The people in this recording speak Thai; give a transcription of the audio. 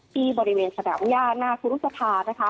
ที่บริเวณสถาบัญญาณหน้าครูรุษภา